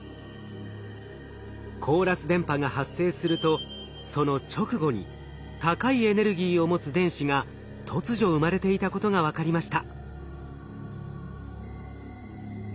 コーラス電波が発生するとその直後に高いエネルギーを持つ電子が突如生まれていたことが分かりました。